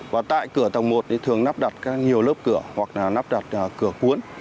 và tại cửa tầng một thường nắp đặt nhiều lớp cửa hoặc nắp đặt cửa cuốn